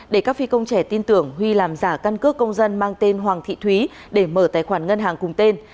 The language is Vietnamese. để các phi công trẻ tin tưởng huy làm giả căn cước công dân mang tên hoàng thị thúy để mở tài khoản ngân hàng cùng tên